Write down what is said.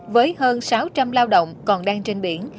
với hơn sáu trăm linh lao động còn đang trên biển